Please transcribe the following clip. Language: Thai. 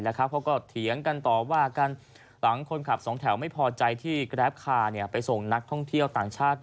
เขาก็เถียงกันต่อว่ากันหลังคนขับสองแถวไม่พอใจที่แกรปคาร์ไปส่งนักท่องเที่ยวต่างชาติ